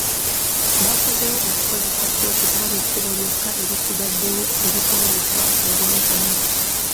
Basazeewo okukozesa kkooti kuba ly'ekkubo lyokka erisigaddewo erisobola okubawa obwenkanya.